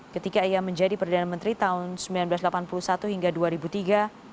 ketika ia menjadi perdana menteri tahun seribu sembilan ratus delapan puluh satu hingga dua ribu tiga